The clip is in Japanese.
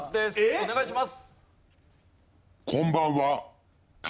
お願いします。